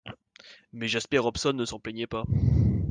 Mais Jasper Hobson ne s’en plaignait pas.